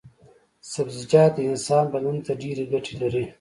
سبزيجات د انسان بدن ته ډېرې ګټې لري.